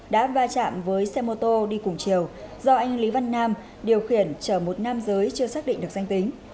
đã va chạm với xe mô tô đi cùng chiều do anh lý văn nam điều khiển chở một nam giới chưa xác định được danh tính